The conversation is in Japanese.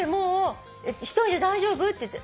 １人で大丈夫？って言って。